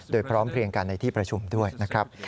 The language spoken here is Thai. โดยพร้อมเพลียงกันในที่ประชุมด้วยนะครับ